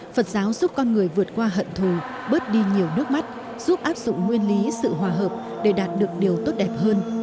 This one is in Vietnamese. phật giáo giúp con người vượt qua hận thù bớt đi nhiều nước mắt giúp áp dụng nguyên lý sự hòa hợp để đạt được điều tốt đẹp hơn